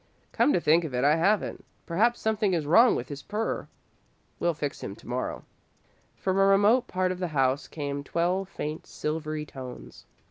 "Come to think of it, I haven't. Perhaps something is wrong with his purrer. We'll fix him to morrow." From a remote part of the house came twelve faint, silvery tones.